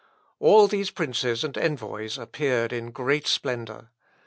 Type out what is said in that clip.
All these princes and envoys appeared in great splendour.